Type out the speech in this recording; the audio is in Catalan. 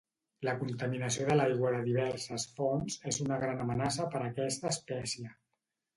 La contaminació de l'aigua de diverses fonts és una gran amenaça per a aquesta espècie.